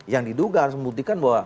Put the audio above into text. yang diduga harus membuktikan bahwa